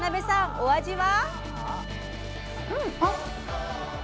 お味は？